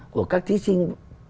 của các thí sinh